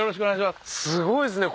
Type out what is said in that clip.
すごいですね